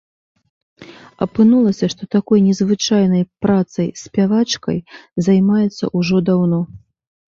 Апынулася, што такой незвычайнай працай спявачкай займаецца ўжо даўно.